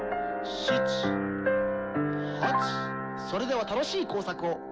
それでは楽しい工作を！